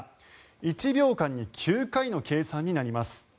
１秒間に９回の計算になります。